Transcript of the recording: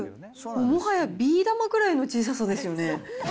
もはやビー玉ぐらいの小ささですよね。